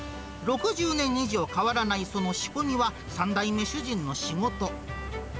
６０年以上変わらないその仕込みは、３代目主人の仕事。